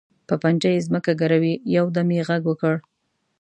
په پنجه یې ځمکه ګروي، یو دم یې غږ وکړ.